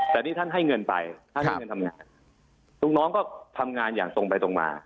แต่นี่ท่านให้เงินไปท่านให้เงินทำงานลูกน้องก็ทำงานอย่างตรงไปตรงมา